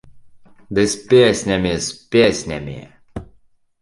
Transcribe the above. Ды з песнямі, з песнямі!